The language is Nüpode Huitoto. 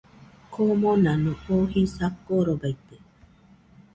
Komonano oo jisa korobaite